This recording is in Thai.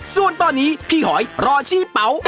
ส่วนตอนนี้พี่หอยรอชี้เป๋า